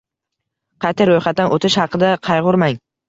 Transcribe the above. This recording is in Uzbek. Qayta ro'yxatdan o'tish haqida qayg'urmang